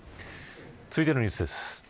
続いてのニュースです。